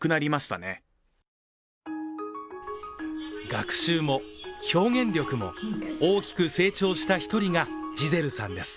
学習も表現力も大きく成長した一人がジゼルさんです。